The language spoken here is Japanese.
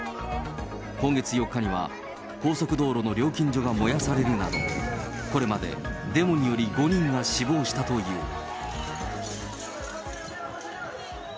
今月４日には、高速道路の料金所が燃やされるなど、これまでデモにより５人が死亡したという。